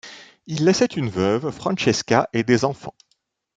Il laissait une veuve, Francesca, et des enfants.